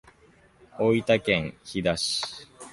大分県日田市